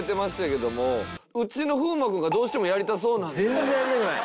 全然やりたくない。